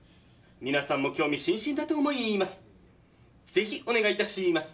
皆さんも興味津々だと思います。